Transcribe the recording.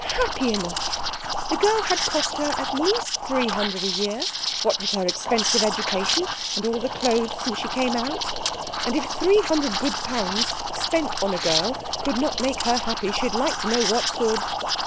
Happy enough! The girl had cost her at least three hundred a year, what with her expensive education and all her clothes since she came out; and if three hundred good pounds spent on a girl could not make her happy, she'd like to know what could.